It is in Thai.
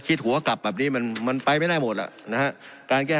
หัวกลับแบบนี้มันมันไปไม่ได้หมดอ่ะนะฮะการแก้